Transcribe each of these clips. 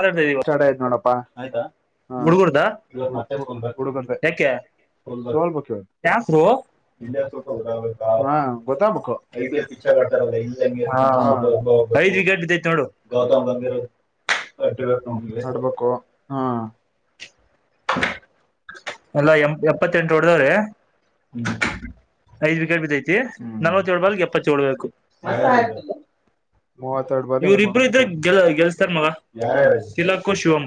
ಅ start ಆಯ್ತು ನೋಡಪ್ಪಾ ಹಾ ಹುಡ್ಗುರ್ದ ಹುಡುಗರ್ದೆ ಯಾಕೆ ಸೋಲ್ಬೇಕು ಇವತ್ತು ಕ ಸ್ ಹಾ ಗೊತ್ತಾಗ್ಬೇಕು ಹಾ. ದ್ವಿ ಗಡ್ಐ ನೋ ಆಡ್ಬೇಕು ಹಾ ಹ ಎಲ್ಲ ಎ ಎಪ್ಪತ್ತೆಂಟು ಹೊಡದಾವ್ರೀ ಐದ್ ವಿಕೆಟ್ ಬಿದ್ದೈತಿ ಹ್ಮ್ ನಲ್ವತ್ತಏಳ್ ಬಾಲ್ಗೆ ಎಪ್ಪತ್ತ ಏಳ್ ಬೇಕು ಮೂವತ್ತೆರಡು ಬಾರಿ ಇವ್ರ ಇಬ್ರು ಇದ್ರೆ ಗೆಲ್ ಗೆಲ್ಸ್ತಾರ ಮಗ ತಿಲಕ್ಕು ಶಿವಾಮ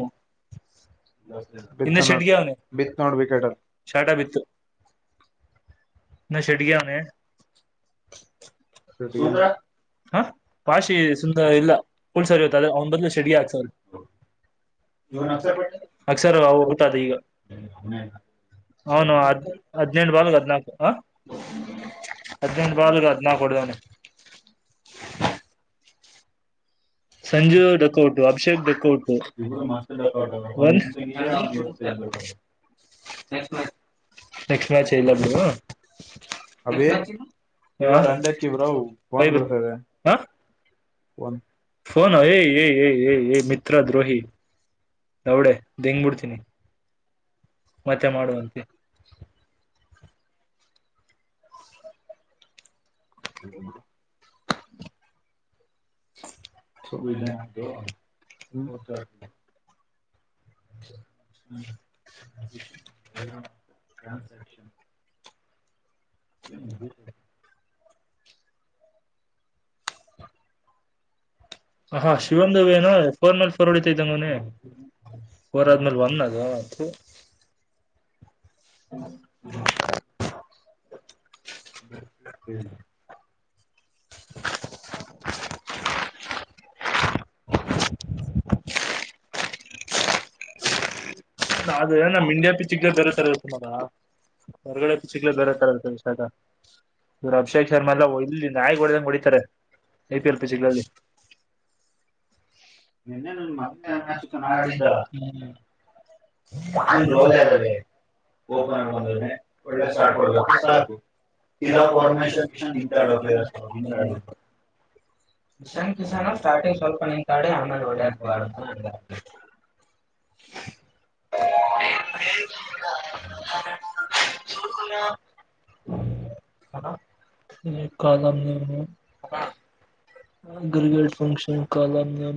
ಬಿತ್ತ ಇೆ ನೋಡ್ ಡಗ ಬಿತ್ ಹ ನೋಡ್ ವಿಕೆಟ್ ಅಲ್ಲಿ ಶಾಟ ಬಿತ್ತು ನ ಡಗೆ ಹನ ಸುಂದ್ರ ಶೂಟಿಗೆ ಹ ಾಷಿ ಸುಂದರ ಇಲ್ಲ ಪುಲ್ಸರಿ ಇ ಅ್ರೆ ಅವನ ಬದಲು ಶೆಡಿ ಆಾಕ್ತವ ಅಸರ ಹೋಗತಾದ ಈಗ ಹೌನು ಹದ್ ಹದ್ನಂಟು ಬಾಲ್ ಹದ್ನಾಲ್ಕು ಹ ಹದ್ನೈದು ಬಾಲ್ಗ ಹದ್ನಾಕು ಹೊಡ್ದವನ ಸಂಜು ಡಕ್ಕೋಟು ಅಭಿಷೇಕ್ ಡಕ್ಕೋಟು ಒ [unintelligible] ನೆಕ್ಸ್ಟ್ ಮ್ಯಾಚ್ ಇಲ್ಲ ಬಿಡು ಅಭಿ ಇವರ್ ಅಂಡಕ್ಕಿ ಬ್ರೋ ಹಾ ಹಾ ಒನ್ ಫೋನ್ ಏ ಏ ಏ ಏಏಮಿತ್ರ ದ್ರೋಹಿ ಲೌಡೆ ದಂಗ್ ಬಿಡ್ತೀನಿ ಮತ್ತೆ ಮಾಡುವಂತೆ ಹಾಗ ಮ [unintelligible] ಟ್ರಾನ್ಸಾಕ್ಷನ್ [unintelligible] ಹ ಹಾ ಶಿವನ್ ಏನು ಫೋರ್ ಮೇಲ್ ಫೋರ್ ಹೊಡಿತ ಇದ್ದಂಗನ ಫೋರ್ ಆದ್ಮೇಲೆ ಒಂದ ಅದು [unintelligible] ಹ ಹ್ಮ್ [unintelligible] ಅದ ನಮ್ಮ್ ಇಂಡ್ಯಾ ಪಿಚಕ್ ಬರತಾರ ತುಾರ ಹೊರಗಡೆ ಚಿಕ್ಲೆ ಬೇರೆ ತರ ನಿಷದ ಇವರು ಅಭಿಷೇಕ್ ಶರ್ಮ ಎಲ್ಲ ಇಲ್ದಿಂದ ನಾಯಿ ಗೆ ಹೊಡದಂಗೆ ಹೊಡಿತಾರೆ ಐ ಪಿ ಎಲ್ ಪಿ ನಲ್ಲಿ ಮರಾಡಿ ದೆ ಓಪನ್ ಬಂದ್ರೆ ಒಳ್ಳೆ ಶಟ್ ಹೊದ್ದವನೇಸಾಕು ತ ಪರ್ಮೇಶ್ವರ ಕಿಶನ್ ಕ ಕ ಕಶನ್ ಕಿಸ ಸ್ಟಾರ್ಟಿಂಗ್ ಸ್ವಲ್ಪ ಕ ಬ್ಯಾಡ್ ಕೊ [unintelligible] ಈ ಕಾಲ ಗರ್ಗಡ್ ಫಂಕ್ಷನ್ ಕಾಲಾಮ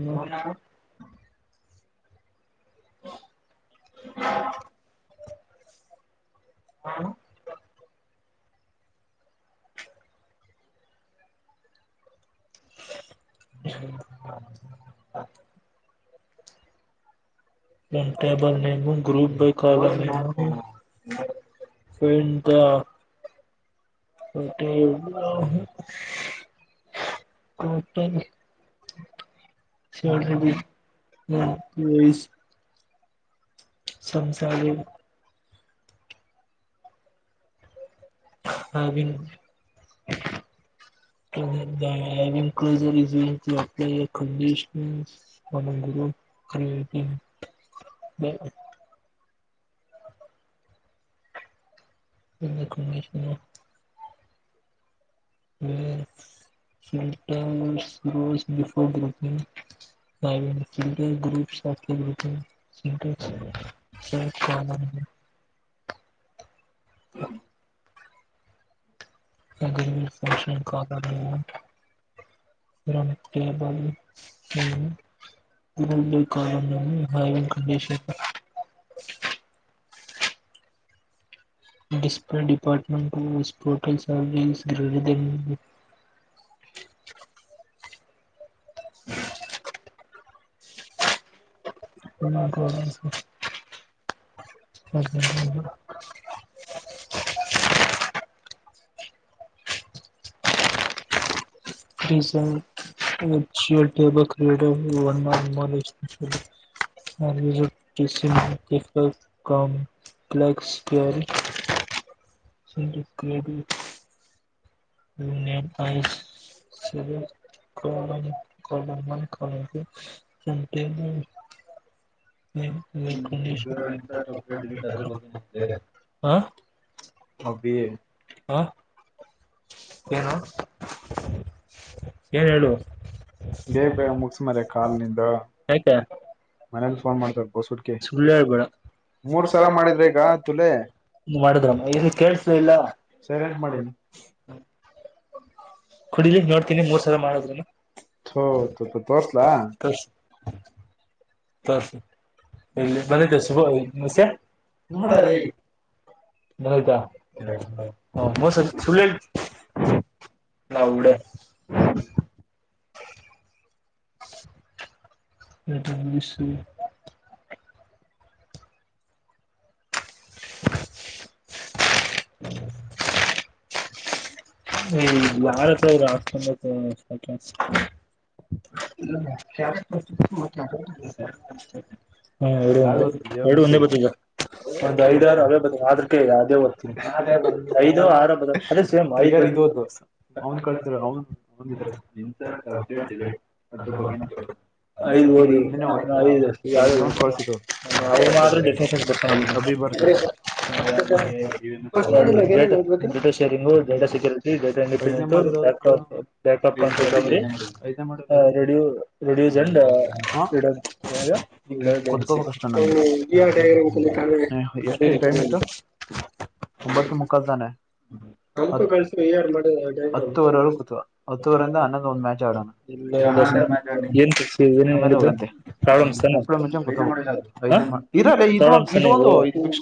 [unintelligible] ಹಾ ಹ ಒನ್ ಟೇಬಲ್ ನೀವು ಗ್ರೂಪ್ ಬೇಕಾಗುತ್ತೆ ನೀವು ಂತ ಫೋರ್ಟ್ ಇನ್ ಕೋಟಿ ನೀ ಶ ಹ್ಮ ಸಂಸಾರಿ ಹಾನ್ ಡಂಗ ಕ ಕಂಡಷ ಹ್ಮ್ ಹ್ಮ್ ಹ್ಮ ಇದಕ್ಕೆ ಟಸ್ ಬಿಫೋರ್ ಗಂಗ ಫೈವ್ ಡೇಸ್ ಹಿಂದೆ ಗ್ರೂಪ್ ಗೆ ಹಾಕಿದ್ರು ಸಿಟ ಸ ಚ ಹ ಅದಫಕ್ಷನ್ ಕಾಗ ಕ ಬ ಹ್ಮ ಕಂಡ ಡಿಸಪ್ಲೇ ಡಿಪಾರ್ಟ್ಮಂಟ್ವು ಉ ಪೋರ್ಟಲ್ ಸ ರೀಸ್ ಗ್ರಡ ದೆ ಹ ಹ ್ರೀ ಸ ಎಚ್ಚೇಬ ಕ್ರೀಡವನ್ನು ಅನುಮೋಿಸ ಹಿಸ ಕಂಫ್ಲಕ್ಸ್ ಕ ಸರಿ ಕರಿ ಆಐ [inaudible] [inaudible] ಅಭಿ [inaudible] ಏನು ಏನ್ ಹೇಳು ದೇವ ಬೇ ಮುಗಸ ಮಾರ ಕಲ್ ನಿಿಂದ ಯಾಕೆ ಮನೇ ಮಾಡ್ತಾರ ಬಸಡ್ಕ ಸುಳ್ಳು ಹೇಳ್ಬೇಡ ಮೂರ್ ಸಲ ಮಾಡಿದ್ರೆ ಈಗ ತುಲೆ ಇ ಮಾಡುದ್ರಮ್ಮ ಏನು ಕೇಳ್ಸುದ ಇಲ್ಲ ಸೈಲೆಂಟ್ ಮಾಡಿನಿ ಕುಡಿಲಿಕ್ ನೋಡ್ತೀನಿ ಮೂರ್ ಸಲ ಮಾಡದ್ನು ಥೋ ತೋರ್ಸ್ಲಾ [inaudible] ಇಲ್ಲಿ ಬಂದಿದ್ದೆ ಶುಭಮಸೆ ನೋಡಾರೆ ನತಾ ಮ ಸ ಸಲ ನೌಡ ಹ [inaudible] ಯಾರತ್ರ ಅವರು [unintelligible] [inaudible] ಹಾ ಎರಡು ಯಾವ್ದು ಒಂದೇ ಓದ್ತಿದ್ಯಾ ಎರಡು ಒಂದೇ ಮಿಸೆ ಒಂದ್ ಐದ್ರರು ಅವೇ ಬದ ಆದ್ರಕ ಅದೇ ಐದ ಆರ ಅದೇ ಸೇಮ್ ಐ ಇ ಅವನ್ ಕಳಿಸಿದ್ ಅವನ್ ಅಡಟ್ ಡಿಲೀಟ್ ಅದ್ರ ಬಗ್ಗೆ ಐದ್ ಹೋದ್ ಐದಷ್ಟ ಸಂಧ್ಯ ಅವನ್ ಕಳ್ಸಿ ಇದು ಮತ್ತೆ ಎರಡ್ [inaudible] ಬರೀಬೋದು. ಅಭಿ ಬರ್ದಿರ ಕಂಪ್ಯೂಟರ್ ಶೇರಿಂಗ್ ಡಾಟಾ ಸೆಕ್ರ್ ಐದನೇ ಈಂಗಂತು ಮಾಡಿರೋ ಬ್ಯಾಕ್ಟಾಪ್ ಐದ್ ಅಂತ ಕಳ್ಸಿದ್ಯಾ ಹೇಳ್ರಿ ಐದನೇ ಮಾಡಿದ್ದು ಐದನೇ ಮಾಡಿದ್ದು ಐತೆ ರೆಡಿಯೋ ರೆಡಿಯೋ ಜಂಡ ಹಾ ಈಗ [unintelligible] ಕುತ್ಕೋಬೇಕಷ್ಟ ನಂಗೆ ಎಷ್ಟು ಟೈಮ್ ಎಷ್ಟು ಗ್ರಾಮಲ್ಲಿ ಒಂಬತ್ತು ಮುಕ್ಕಾಲ್ ತಾನೆ [unintelligible] [unintelligible] ಹತ್ತುವರೆವರೆಗೂ ಕೂತ್ವ ಹತ್ತುವರೆಯಿಂದ ಹನ್ನೊಂದು ಒಂದ್ ಮ್ಯಾಚ್ ಆಡೋಣ ಏನ್ ಆಮೇಲೆ ತಿ ಹೋಗಂತೆ ಪ್ರಾಬ್ಲಮ್ಸ್ ತಾನ ಮುಕ್ಳು ಮುಂಚೆ ಕೂತ್ ಐದನೇ ಇರಲ್ಲ ಇದು ಪ್ರಾಬ್ಲೆಮ್ಸ್ ಇದು ತಾನೆ ಒಂದು ಫಿಕ್ಸ್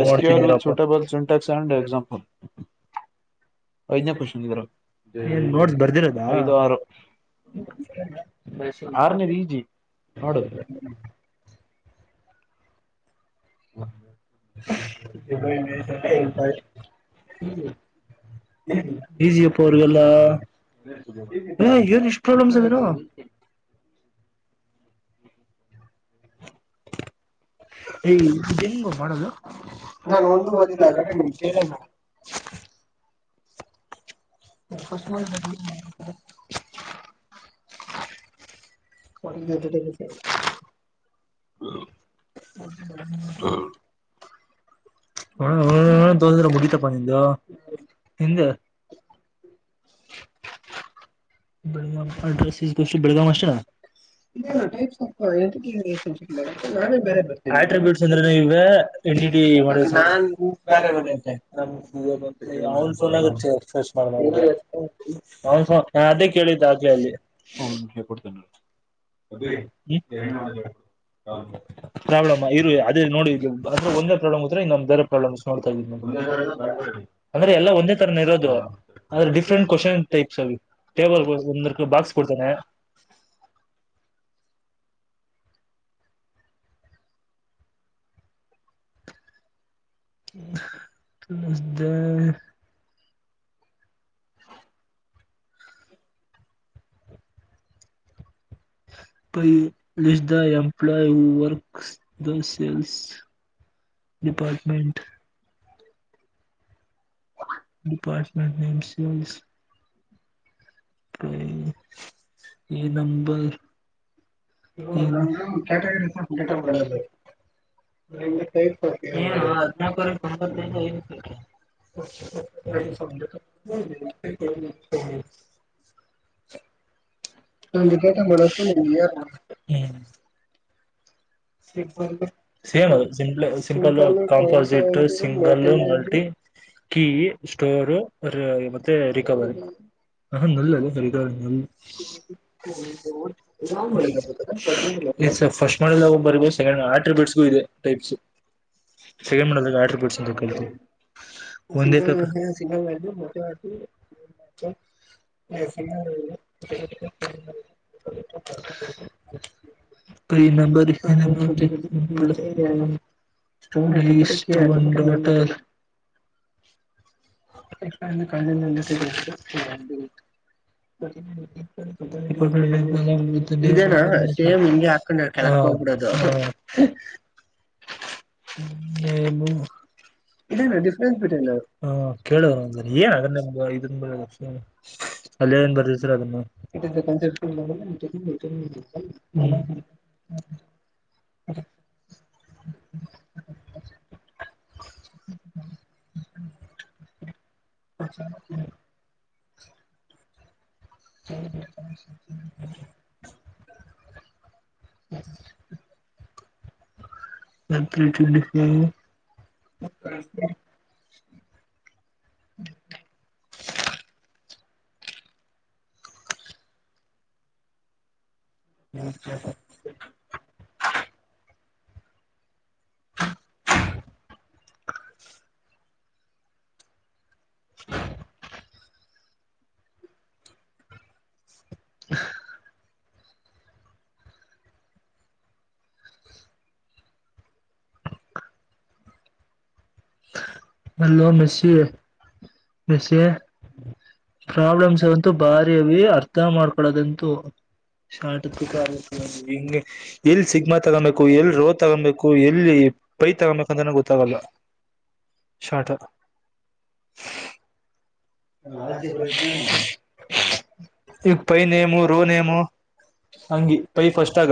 ನೋಡ್ತೀನಿ ಎಸ್ಕ್ರರ್ with suitable Sintex and example ಐದನೇ ಕ್ವೆಶ್ಚನ್ ಏನ್ ನೋಟ್ಸ್ ಬರ್ದಿರೋದಾ ಐದು ಆರು ಆರನೇದು ಈಜಿ ನೋಡಲ್ಲ [inaudible] [inaudible] ಈಸಿ ಅಪ್ಪ ಅವರಿಗೆಲ್ಲ ಹ ಏನು ಇಷ್ಟೂ ಪ್ರಾಬ್ಲೆಮ್ ಇದು ಹೆಂಗೋ ಮಾಡೋದು ನಾನು ಒಂದು [unintelligible] [inaudible] [inaudible] [inaudible] [inaudible] ಹೊ ಮುಗಿತಪ್ಪ ನಿಂದು ನನಿಂದು ಬೆಳಗಾಂ ಅಡ್ರೆಸ್ ಈ ಗೋಷಿ ಬೆಳಗಾಂ ಅಷ್ಟ ಅಟ್ರಿಬ್ಯೂಟ್ಸ್ ಅಂದ್ರೆ [unintelligible] [unintelligible] ರ ಹ ಕೇಳಿದ್ದ ಆಗ್ಲೇ ಹೇಳ ಕೊಡ್ತನ ಅೇ ಮಾಡ ಹ ಪ್ರಾಬ್ಲಮ್ ಇರು ಅದೇ ನೋಡಿ ಇ ಅಂದ್ರೆ ಒಂದೇ ಪ್ರಾಬ್ಲಮ್ತ್ರ ಇನ್ನೊಂದ ಬೇರೆ ಪ್ರಾಬ್ಲಮ್ ನೋಡ್ತಾ ಇದೀನಿ ನ ಅಂದ್ರೆ ಎಲ್ಲ ಒಂದೇ ತರನ ಇರೋದು ಆದ್ರೆ ಡಿಫ್ರೆಂಟ್ ಕ್ವಶನ್ ೈ ಟೇಬಲ್ ಒಂದ ಬಾಸ್ ಕೊಡ್ತೇನೆ ಮ್ದ [unintelligible] ಪ ಇಿಸ್ದ ಎಂಪ್ಲ ಆ works the sales department department ಎಮ ಸಿ ಎಲ್ಸ್ [inaudible] [unintelligible] [inaudible] [unintelligible] [unintelligible] ನಂದು ಕಟಂಬಸ ಸೇಮ್ ಸಿ simple composite single multi key store ಮತ್ತೆ ರಿವರಿ ಹ ನಲ್ಲ್ಲಿವರಿ ನಲ್ ಎ ಸರ್ ಫರ್ಸ್ಟ್ ಮಾಡಲ್ ಆಟ್ರಿಬಿಟ್ಸ್ಗು ಇದೆ ಟೈಪ್ಸ್ ಸನ್ ಮಾಡದ ಆಟ ಬಿಡ್ಸ ಅಂತ ಕೇಳ್ತವಿ ಒಂದ ಮೆ ಎಫ ಪ್ರೀ ನಂಂಬರಿ ಬಟ ಕ [unintelligible] ಇ ಸೇಮ್ ಹಂಗೆ ಹಾಕೊಂಡ ಕೆಳ ಹೋಗ್ಬಿಡದು ಹ ಹ ಕೇಳುವಂದ್ರ ಏನ್ ಅದ ಇದ ಅಲ್ಲೇ ಏನ್ ಬರ್ದ ಸರ್ ಅದನ್ನು [unintelligible] [unintelligible] [unintelligible] ಸರಿ ಹ್ಮ ನತ್ [unintelligible] ಸ [unintelligible] [unintelligible] ಹಲೋ ಮೆಸ ಮೆಸ ಪ್ರಾಬ್ಲಮ್ಸ್ ಅಂತು ಬಾರಿ ಅೀ ಅರ್ಥ ಮಾಡ್ಕೊೊಳ್ಳದಂತು ಶ ಹಿಂಗ ಎಲ್ಲಿ ಸಿಗಮಾ ತಗೊಬೇಕು ಎಲ್ಲಿ ರೋ್ ತಗೊಬೇಕು ಎಲ್ಲಿ ಪೈ ತಗೊಬೇಕಂದನ ಗೊತ್ತಾಗಲ್ಲ ಶಾರ್ಟ ಹ ಅದೇ ಬ ಈಗ ಪೈ ನೇಮು ರೋ ನೇಮು ಹಂಗಿ ಪೈ ಫಸ್ಟ್ ಆಗ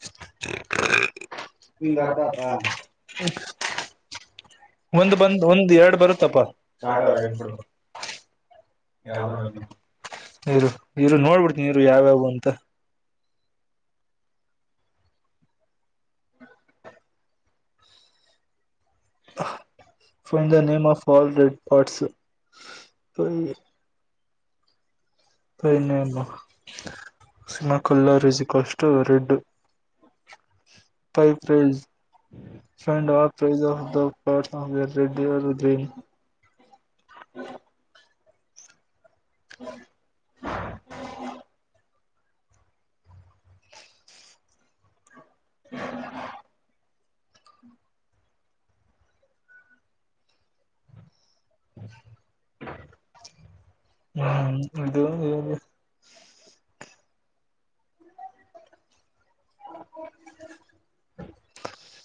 [unintelligible] ಇ ಒಂದ್ ಬಂದ ಒಂದ್ ಎರಡ್ ಬರುತ್ತಪ್ಪ ಕೊ ನೀರು ನೀರು ನೋಡ್ಬಿಡ್ತಿನನ ನೀರು ಯಾವ್ಯಾವು ಅಂತ ಫ the name of all red ಪಟ್ಸ್ ಪನ್ನಮ್ಮ ಸಮ ಕಲ್ಲರ್ ಸಿಿಕಷ್ಟು ರೆಡ್ ೈೈ ಫಂಡ ಆ ಪ್ರ ಆಫ್ ದ ಪ ರೆಡ್ಡಿರದ್ದೀನ್ [unintelligible] ಹ್ಮ್ ಹ್ಮ ಹ್ಮ ಅದು [unintelligible]